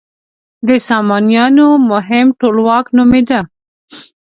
د سامانیانو مهم ټولواک نومېده.